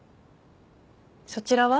そちらは？